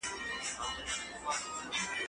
ليک ولوله!.